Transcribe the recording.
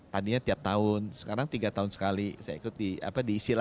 tadinya tiap tahun sekarang tiga tahun sekali saya ikut diisi lagi uangnya itu nambah seperti apa